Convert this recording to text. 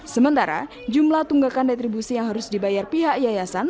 sementara jumlah tunggakan retribusi yang harus dibayar pihak yayasan